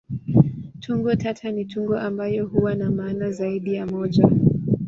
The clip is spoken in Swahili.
Tungo tata ni tungo ambayo huwa na maana zaidi ya moja.